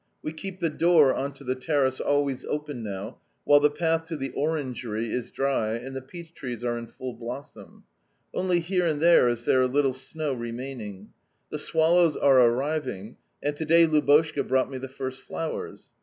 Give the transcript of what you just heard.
We keep the door on to the terrace always open now, while the path to the orangery is dry and the peach trees are in full blossom. Only here and there is there a little snow remaining. The swallows are arriving, and to day Lubotshka brought me the first flowers.